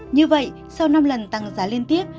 như vậy sau năm lần tăng giá liên tiếp